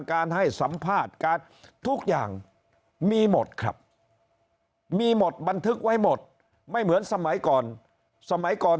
การให้สัมภาษณ์การทุกอย่างมีหมดครับมีหมดบันทึกไว้หมดไม่เหมือนสมัยก่อนสมัยก่อน